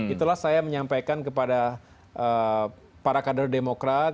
itulah saya menyampaikan kepada para kader demokrat